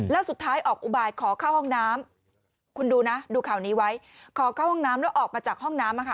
แล้วสุดท้ายออกอุบายขอเข้าห้องน้ำคุณดูนะดูข่าวนี้ไว้ขอเข้าห้องน้ำแล้วออกมาจากห้องน้ำ